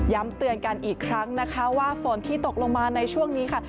ย้ำเตือนกันอีกครั้งว่าฝนที่ตกลงมาในช่วงนี้